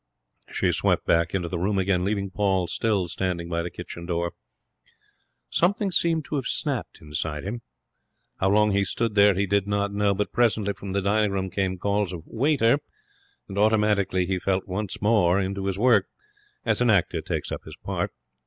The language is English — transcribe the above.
She swept back into the room again, leaving Paul still standing by the kitchen door. Something seemed to have snapped inside him. How long he stood there he did not know, but presently from the dining room came calls of 'Waiter!' and automatically he fell once more into his work, as an actor takes up his part.